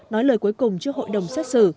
nói lời cuối cùng trước hội đồng xét xử